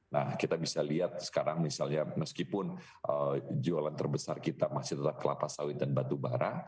nah kita bisa lihat sekarang misalnya meskipun jualan terbesar kita masih tetap kelapa sawit dan batu bara